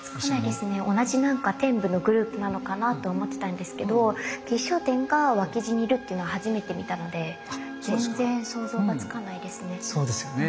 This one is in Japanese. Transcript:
同じ天部のグループなのかなって思ってたんですけど吉祥天が脇侍にいるっていうのは初めて見たので全然想像がつかないですね。